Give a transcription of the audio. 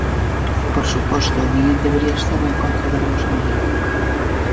Por suposto, ninguén debería estar en contra de algo semellante.